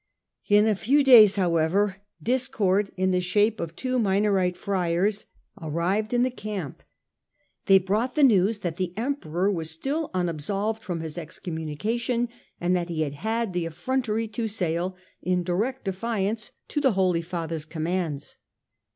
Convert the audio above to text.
In a few days, however, discord in the shape of two Minorite friars arrived in the camp. They brought the news that the Emperor was still unabsolved from his excommunication, and that he had had the effrontery to sail in direct defiance of the Holy Father's commands.